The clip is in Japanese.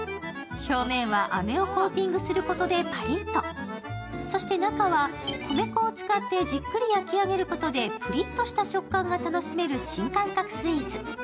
表面はあめをコーティングすることでパリッとそして中は米粉を使ってじっくり焼き上げることでプリッとした食感が楽しめる新感覚スイーツ。